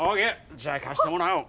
じゃあ貸してもらおう。